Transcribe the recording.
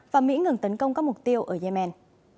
và mỹ ngừng tấn công các mục tiêu ở yemen